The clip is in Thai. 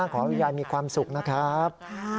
ขอให้คุณยายมีความสุขนะครับ